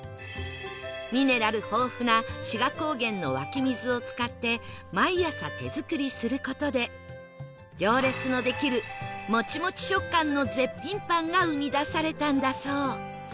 ミネラル豊富な志賀高原の湧き水を使って毎朝、手作りする事で行列のできるモチモチ食感の絶品パンが生み出されたんだそう